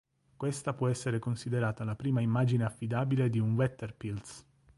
Questa può essere considerata la prima immagine affidabile di un wetterpilz.